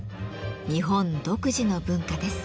日本独自の文化です。